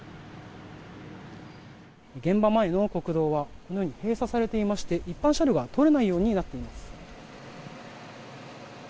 現場前の国道はこのように閉鎖されていまして一般車両が通れないようになっています。